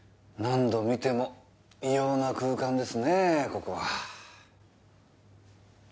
何度見ても異様な空間ですねぇここは。